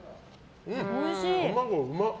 卵、うまっ！